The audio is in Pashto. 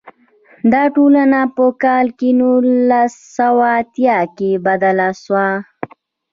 دا ټولنه په کال نولس سوه اتیا کې بدله شوه.